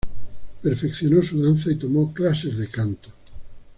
Perfeccionó su danza, y tomó clases de canto.